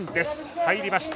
入りました。